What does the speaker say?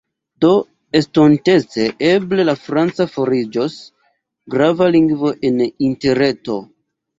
Do estontece, eble, la franca fariĝos grava lingvo en Interreto.